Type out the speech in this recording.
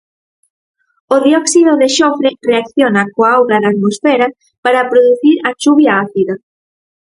O dióxido de xofre reacciona coa auga da atmosfera para producir a chuvia ácida.